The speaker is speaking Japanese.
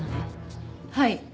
はい。